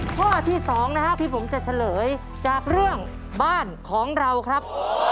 ข้อที่๒นะครับที่ผมจะเฉลยจากเรื่องบ้านของเราครับ